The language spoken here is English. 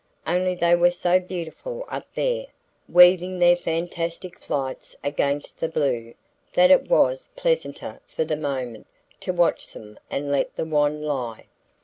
Only they were so beautiful up there, weaving their fantastic flights against the blue, that it was pleasanter, for the moment, to watch them and let the wand lie.